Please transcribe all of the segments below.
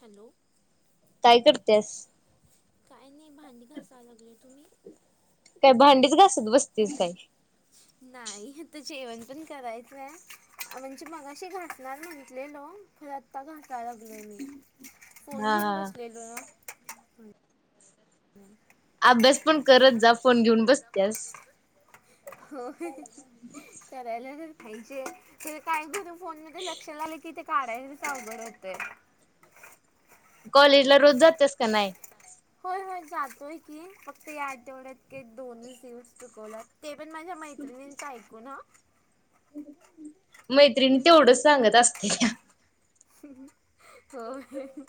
Hello. काय करत्यास? काय नाही भांडी घासाय लागलोय. तुम्ही? काय भांडीच घासत बसतीस काय. नाही. आता जेवण पण करायचंय. म्हणजे मगाशी घासणार म्हंटलेलो, खरं आत्ता घासाय लागलोय मी. फोन हा घेऊन हा बसलेल. अभ्यास पण करत जा. फोन घेऊन बसत्यास. हो. करायला तर पाहिजे. खरं काय करू. फोन मध्ये लक्ष लागलं की ते काढायच अवघड होतय. कॉलेज ला रोज जातेस का नाही? होय होय जातोय की. फक्त या आठवड्यात एक, दोनच दिवस चुकवल्यात. ते पण माझ्या मैत्रिणीचं ऐकून हा. मैत्रिणी तेवढंच सांगत असत्यात्या.. हम हो.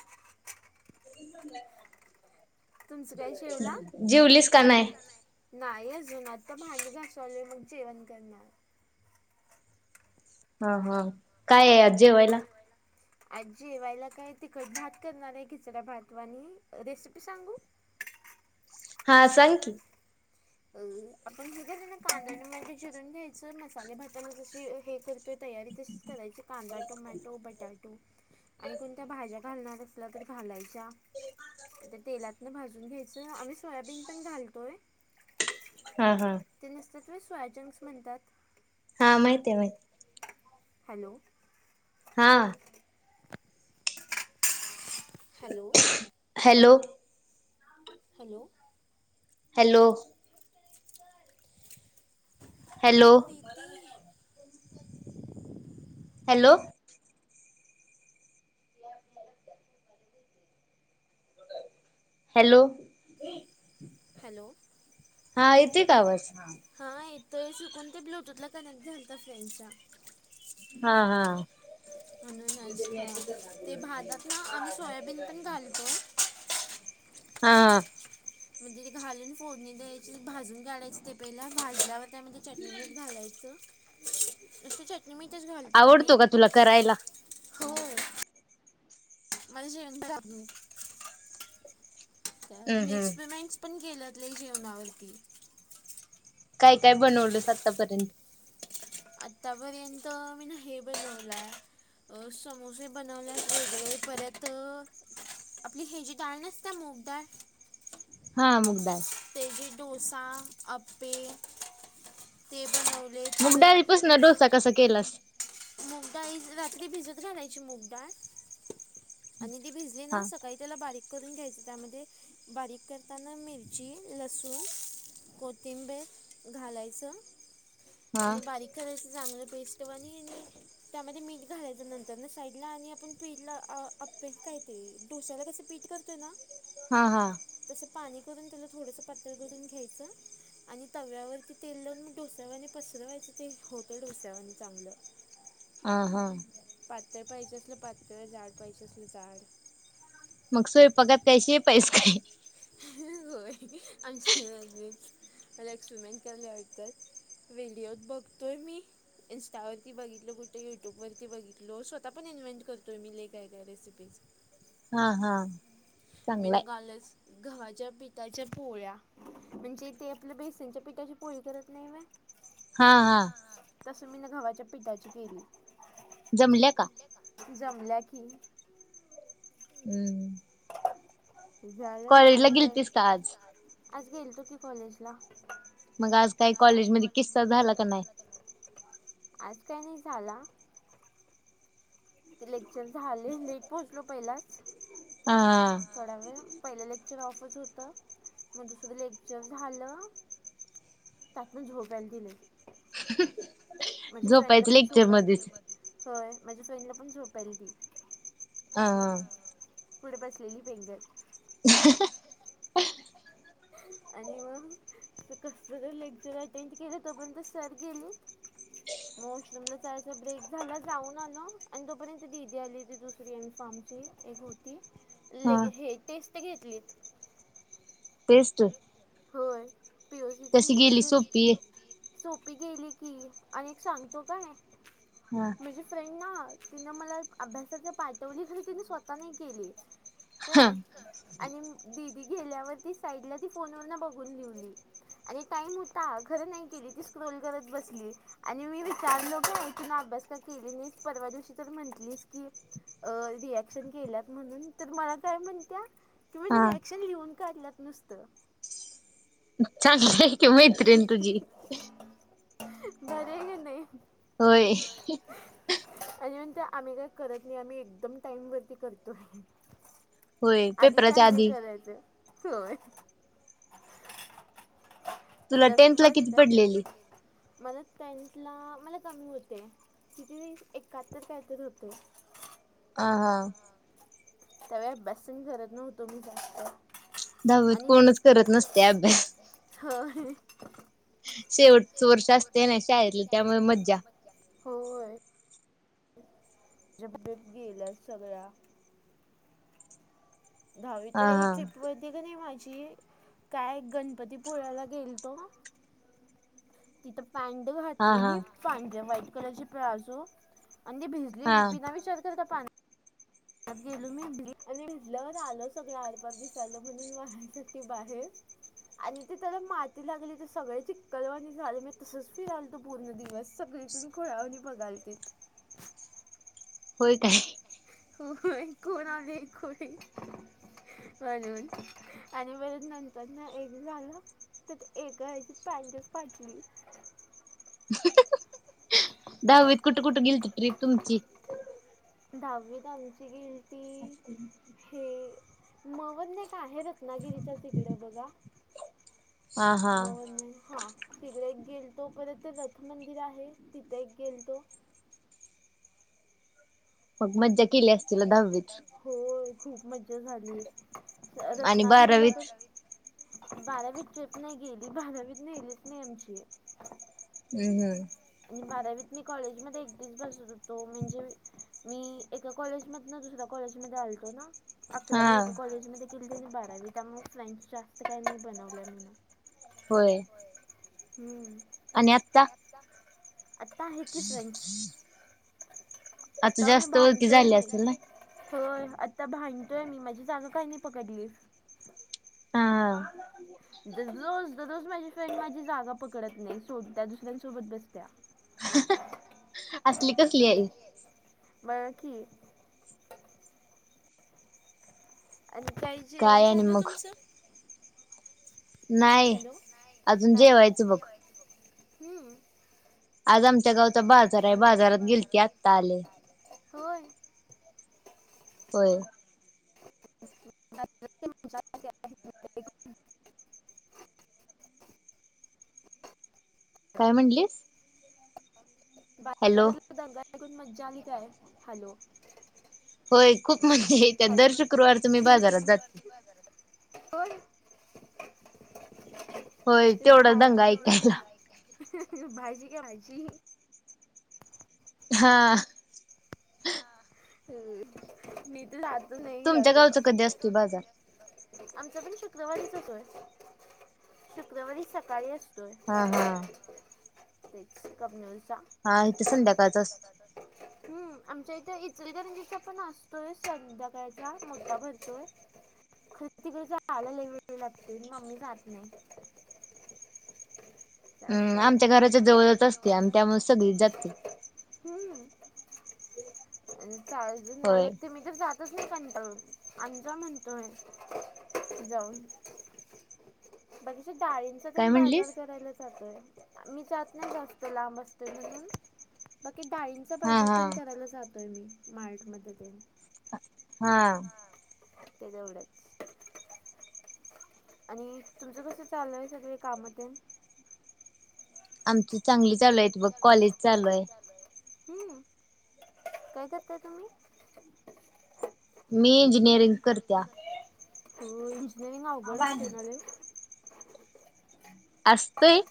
तुमचं काय जेवला जीवलीस का नाही? नाही अजून आता भांडी घासालोय मग जेवण करणार. हा हा काय आहे. आज जेवायला? आज जेवायला काय तिखट भात करणार आहे. खिचडा भात वानी रेसिपी सांगू? हा सांग की. अ आपण हे ना. कांदा आणि मिरची चिर रून घ्यायच. मसाले भाताला जशी हे करतोय तयारी तशीच करायची. कांदा, टोमॅटो, बटाटू आणि कोणत्या भाज्या घालणार अस ला तर घालायच्या तर त्या तेलातनं भाजून घ्यायचं. आम्ही सोयाबीन पण घालतोय. हा हा. ते नसतात होय त्याला सोयाजंक्स म्हणतात. हा माहित आहे माहिती. हॅलो. हां. Hello. Hello. Hello. Hello. Hello. किती? हॅलो. Hello, - hello. हा येते का आवाज? हा. हा येतोय सुकून ते ब्लूटूथला कनेक्ट झालता फ्रेनच्या. हा हा. म्हणूनच, हा ते भातात ना आम्ही सोयाबीन पण घालतो. हा हा. म्हणजे तेे घालून फोडणी द्या भाजून काढायचं ते पहिला भाजल्याव त्यामध्ये चटणी, मीठ घालायचं. नुसतं चट नी मीतच आवडतो का तुला करायला? हो मला. [inaudible] त्या हम्म मी हम्म एक्सपेरिमेंट्स पण केल्यातले जेवणावरती. काय काय बनवलस आतापर्यंत? आतापर्यंत मी ना हे बनवलंय अ समोसे बनवल्यात वेगळे परत आपली हेजी डाळ नसत्या मूगडाळ हा मुगडाळ. तेजे डोसा, आप्पे ते बनवले परत पासन डोसा कसा केलास? मूग डाळी रात्री भिजत घालायची मूग डाळ आणि ती भिजली हा ना सकाळी त्याला बारीक करून घ्यायचं त्यामध्ये बारीक करताना मिरची, लसूण कोथिंबे घालायचं. हा आणि बारीक करायचं चांगलं पेस्ट वानी आणि त्यामध्ये मीठ घालायचं नंतर न साईडला आणि आपण पिला आप्पे काही ते डोश्याला कसं पीठ करतोय ना हा हा. तसं पाणी करून त्याला थोडसं पातळ करून घ्यायचं. आणि तव्यावरती तेल लावून मग डोस्यावाने पसरवायचं ते होतं डोस्यावाने चांगलं. आ हा. पातळ पाहियजे असलं पातळ जाड पाहिजे असलं जाड. मग स्वयंपाकात काय शेफ हाईस काय? होय आम मला एक्सपेरिमेंट कराला आटतात. व्हिडिओत बघतोय मी. इन्स्टावरती बघितल कुठे युट्यूबवरती बघितो, स्वतः पण इन्व्हेंट करतोय मी लै काय काय रेसिपीज. हा हा. मीन चांगलाय कालच गवा्हाच्या पिताच्या पोळ्या म्हणजे ते आपल्या बेसनच्या पिठाची पोळी करत नाही व्हय. हा हा तस मीन घवाच्या पिठाची केली. जमल्या का? जमल्या की. हम्म. ते झालं कॉलेजला आणि प गेलतीस का आज आज गेलतो की कॉलेज ला. मग आज काही कॉलेज मधे किस्सा झाला का नाही? आज काय नाही झाला. लेक्चर झाले लेट पोहोचलो पहिलाच. आ. थोडा वेळ पहिलं लेक्चर ऑफच होतं मग दुसरं लेक्चर झालं त्यातन झोप यायलती लई माझ्या फ्रेंडला झोपायचं पण लेक्चर झोपयालती मध्येच ते हो माझ्या फ्रेंडला पण झोपयालती ह, ह पुढे बसलेली पेंगल आणि मग कस तर लेक्चर अटेंड केलं तो पर्यंत सर गेलीत [inaudible] वॉशरूम ला जायचं ब्रेक झाला जाऊन आलो आणि तोपर्यंत ती दिदी आली ती दुसरी फॉर्मची एक होती ती हा लगे हे टेस्ट घेतलीत पेस्ट होय पीओसीची म्हणजे गेली सो सोपी गेली की अनी एक सांगतो काय हा माझी फ्रेंड ना तिनं मला अभ्यासाच पाठवली खरं तिने स्वतः नाही केली हा काय आणि दिदी गेल्यावर ती साईडला ती फोन वरन नबघून लिवली आणि टाइम होता घर नाही केली ती स्क्रोल करत बसली आणि मी विचारलो काय तून अभ्यास का केली नाहीस परवा दिवशी तर म्हंटलीस की अ रियाक्शन केल्यात म्हणून तर मला काय म्हणत्या कि म्हणजे हा रिॲक्शन लिहून काढल्यात नुसतं चांगलय की मैत्रिण तुझी भारी आहे की नाही होय आणि म्हणतीया आम्ही काय करत नाही आम्ही एकदम टाइम वरती करतो आहे होय आधी काय पेपराच्या नाहीे करायचं होय तुला तसं टेन्थला किती पडलेली बसत्यात मला टेंथला मला कमी होते किती ते एकाहत्तर काय तर होते अ हा त्यावेळी अभ्यास तेन करत नव्हतो मी जास्त दहावीत आणि कोणच करत नसते अभ्यास ह होय शेवट वर्ष असते ना शाळेतली त्यामुळे मज्जा होय जे [unintelligible] सगळ्या दहावी हा तर एका [unintelligible] का नाही माझी काय गणपतीपुळ्याला गेलतो तिथं पँट हा हा हा घातलेली पांढऱ्या व्हाईट कलरची प्लाजो आणि ती भिज ली हा बिना विचारता करता पाणी गेलो मी इली आणि भिजल्यावर आलो सगळ आर पार दिसायल आलं म्हणून वाळायसाठी बाहेर आणि ते त्याला माती लागली ते सगळे चिक्कल आणि झालं मी तसच फिराल तो पूर्ण दिवस सगळे सगळे खुळ्यावाणी बघायलतीत होय काय हो कोण आलीय ही खुळी म्हणून आणि पर्यंत नंतर न एक झालं तर एका ह्याची पॅन्टच फाटली दहावीत कुठ, कुठ गेलती ट्रीप तुमची दहावीत आमची गेलती हे म वरन एक आहे रत्नागिरीच्याच हिकड बघा. हां. हां. हं. हां. तिगडे एक गेल तो. परत ते रथ मंदिर आहे तिथे एक गेलतो. मग मज्जा केली असतील दहावीत. हो. खूप मज्जा झाली. आणि रत्नागिरीला बारावीत पण- बारावीत ट्रिप नाही गेली. बारावीत नेलीच नाही आमची. हम्. आणि बारावीत मी कॉलेजमध्ये एक [unintelligible] बसत होतो म्हणजे- मी एका कॉलेज मधन दुसऱ्या कॉलेजमध्ये आलतो ना? अकरावी हा एका कॉलेजमध्ये केली. त्यांनी बारावी त्यामुळे फ्रेंड्स जास्त काही नाही बनवलं म्ह ना. होय. हम्म. आणि आत्ता? आता आहे की फ्रेंड्स? आता म जास्त ओळखी भांडतोय झाली मी. असेल ना होय. आत्ता भांडतोय मी. माझी जागा का नाही पकडली? हा. दररोज दररोज माझी फ्रेंड माझी जागा पकडत नाही. सोडत्या दुसऱ्यांसोबत बसत्या. असली कसली आहे? बघा की. आणि काय जेवण आणि झाल मग तुमचं? नाही हॅलो. अजून नाही जेवायचं अजून बघ जेवायचंय बघ. हम्म. आज आमच्या गावचा बाजार ए. बाजारात गेलती आत्ता आले. होय? होय. काय म्हणलीस? हॅलो बाजारात दंगा [unintelligible] मज्जा आली काय? हॅलो. होय खूप मज्जा येतेया. हॅलो दर शुक्रवारच मी बाजारात जाते. होय? होय. ते तेवढा दंगा भाजी ऐकायला. भाजी करायची. हां. हा. हं. मी तर आत नाही तुमच्या जात. गावचा कधी असतोय बाजार? आमचा पण शुक्रवारीच येतोय. शुक्रवारी सकाळी अस- तोय. हा हा तेच कबनूरचा. हा. इथे संध्याकाळचा अस- हम्. आमच्या इथे इचलीकरंजीचा पण असतोय. संध्याकाळचा मोठा भरतोय. [unintelligible] लागते मम्मी जात नाही. जास्त हम्म. आमच्या घराच्या जवळच असतेया आणि त्यामुळे सगळीच जाते. हम्म? [unintelligible] होय. लागते मी तर जातच नाही कंटाळून. आमचा म्हणतोय जाऊन- बाकी [unintelligible] डाळींचा काय बाजार म्हणलीस करायला- मी जात नाही जास्त. तो लांब असतोय म्हणून. बाकी डाळीं- हा बाजार हा पण करायला जातोय मी मार्ट मध्ये ते हा ते तेवढंच आणि तुमचं कसं चालू ये सगळे काम देऊन. आमची चांगली चालू आहेत बघ कॉलेज चालू आहे. हू काय करताय तुम्ही मी इंजिनियरिंग करतीया. इंजिनिअरिंग अवघड असते ना ले असतय.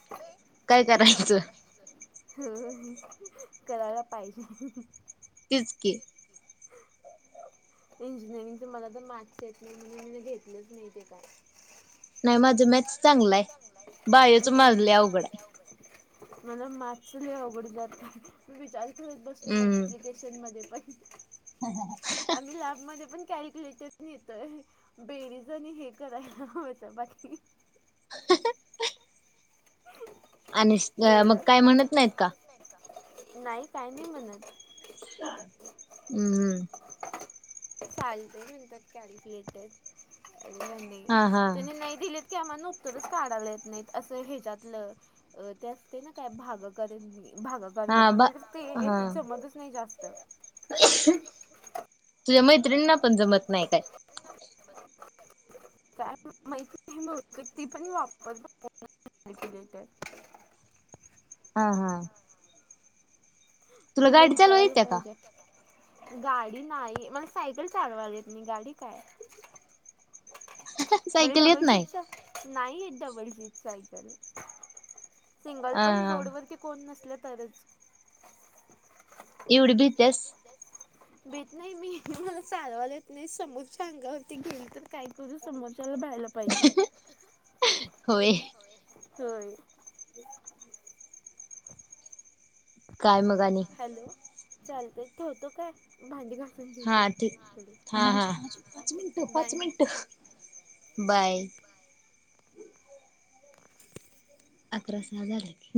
काय करायचं [unintelligible] ह करायला पाहिजे. तेच की इंजिनिअरिंगच मला तर मॅथस येत नाही म्हणजे म घेतलंच नाही ते काय? नाही माझं मॅथस चांगलं आहे हम्म. बायोच माझ ले अवघड ये. मला मॅथस ले अवघड जात मी विचार करत बसते हम्म मल्टिफिकेशन मध्ये पण आम्ही लॅबमध्ये पण कॅल्क्युलेटर नेतोय. बेरीज आणि हे करायला येतं बाकी [inaudible] [inaudible] आणि स अ मग सगळं काय म्हणत नाहीत का? नाही काय नाही म्हणत. ह [inaudible] हम् चालत म्हणतात कॅल्क्युलेटर [inaudible] हा हा त्यांनी नाही दिलीत की आम्हाला न उत्तरच काढायला येत नाहीत असं ह्याच्यातलं. अ ते असते ना काय भागाकार आणि भाग- [inaudible] हा मधलं बा मला तर ते हा येतं जमतच नाही जास्त. तुझ्या मैत्रिनीना पण जमत नाही काय? [inaudible] मैत्रिण बहुतेक ती पण वापरते कॅल्क्युलेटर. हा हा तुला दिले गाडी चालवा विचारायले येत्या का? पाहिजे. गाडी नाही मला सायकल चालवायला येतं नाही गाडी काय? [inaudible] म्हणजे सायकल येत डबल नाही? सीटच नाही येतं डबल सीटच सायकल सिंगल हा पण हा रोडवरती कोण नसल तरच. एवढी बी तेस. भेत नाही मी मला चालवाला येत नाही समोरच्या अंगावरती गेली तर काय करू समोरच्याला [inaudible] पाहिजे [inaudible] होय होय काय मघ आणि हॅलो चालतंय ठेवतो काय. भांडी घासून [inaudible] हा ठीक हा हा पाच मिनट पाच बाय मिनट बाई. अकरा सहा झाले नाही